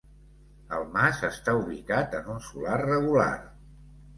El mas està ubicat en un solar regular.